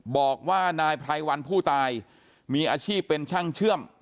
บอกว่านายไพรวันผู้ตายมีอาชีพเป็นช่างเชื่อม